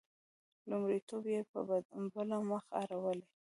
لومړیتونه یې په بل مخ اړولي.